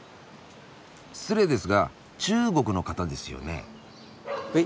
失礼ですが中国の方ですよね？